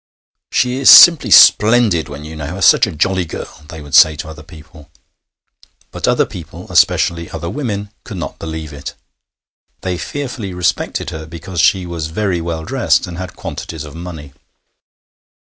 'She is simply splendid when you know her such a jolly girl!' they would say to other people; but other people, especially other women, could not believe it. They fearfully respected her because she was very well dressed and had quantities of money.